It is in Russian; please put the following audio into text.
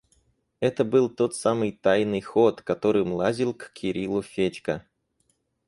Это был тот самый тайный ход, которым лазил к Кириллову Федька.